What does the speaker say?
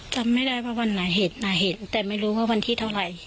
จำไม่ได้ว่าวันไหนเห็นน่ะเห็นแต่ไม่รู้ว่าวันที่เท่าไหร่